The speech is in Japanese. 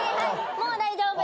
もう大丈夫。